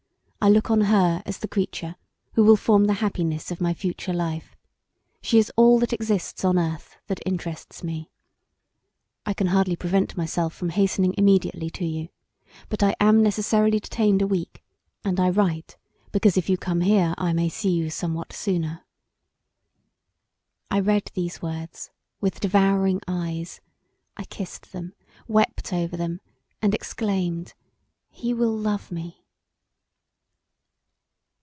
I look on her as the creature who will form the happiness of my future life: she is all that exists on earth that interests me. I can hardly prevent myself from hastening immediately to you but I am necessarily detained a week and I write because if you come here I may see you somewhat sooner." I read these words with devouring eyes; I kissed them, wept over them and exclaimed, "He will love me!"